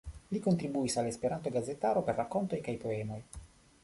Li kontribuis al Esperanto-gazetaro per rakontoj kaj poemoj.